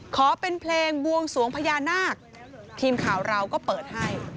ขอเป็นเพลงบวงสวงพญานาคทีมข่าวเราก็เปิดให้